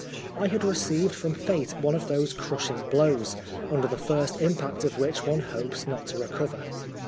I had received from fate one of those crushing blows, under the first impact of which one hopes not to recover.